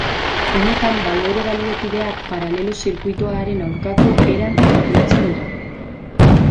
Honetan balore baliokideak paralelo-zirkuitoaren aurkako eran kalkulatzen dira.